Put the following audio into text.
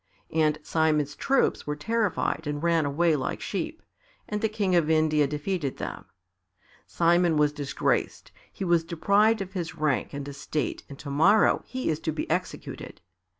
And Simon's troops were terrified and ran away like sheep, and the King of India defeated them. Simon was disgraced. He was deprived of his rank and estate and to morrow he is to be executed.